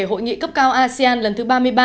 hội nghị cấp cao asean lần thứ ba mươi ba